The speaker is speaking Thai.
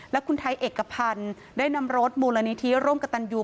และคุณไทยเอกพันธ์ได้นำรถมูลนิธิร่วมกับตันยู